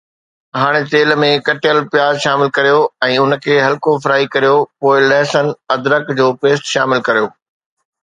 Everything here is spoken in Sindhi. ھاڻي تيل ۾ ڪٽيل پياز شامل ڪريو ۽ ان کي ھلڪو فرائي ڪريو پوءِ لہسن ادرک جو پيسٽ شامل ڪريو